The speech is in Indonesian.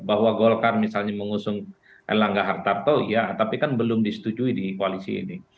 bahwa golkar misalnya mengusung erlangga hartarto ya tapi kan belum disetujui di koalisi ini